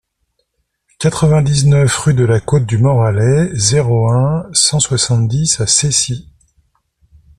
quatre-vingt-dix-neuf rue de la Côte du Moralay, zéro un, cent soixante-dix à Cessy